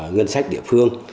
ngân sách địa phương